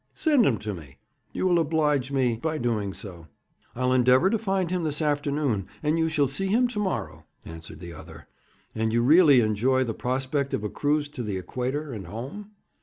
'Send him to me. You will oblige me by doing so.' 'I'll endeavour to find him this afternoon, and you shall see him to morrow,' answered the other. 'And you really enjoy the prospect of a cruise to the Equator and home?'